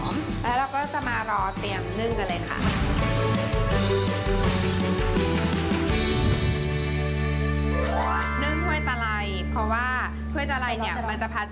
แล้วเราก็จะมารอเตรียมนึ่งกันเลยค่ะ